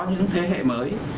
những thế hệ mới